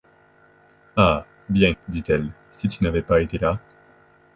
Ah! bien, dit-elle, si tu n’avais pas été là !...